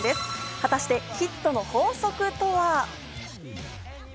はたしてヒットの法則とは？